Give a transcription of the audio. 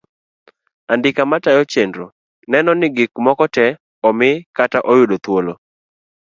Andika matayo chenro neno ni gik moko tee omi kata oyudo thuolo.